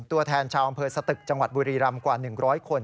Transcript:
ตัวแทนชาวอำเภอสตึกจังหวัดบุรีรำกว่า๑๐๐คน